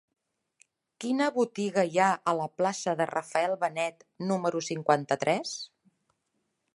Quina botiga hi ha a la plaça de Rafael Benet número cinquanta-tres?